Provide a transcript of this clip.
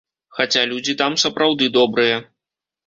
Хаця людзі там сапраўды добрыя.